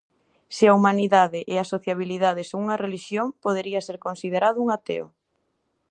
Se a humanidade e a sociabilidade son unha relixión, podería ser considerado un ateo.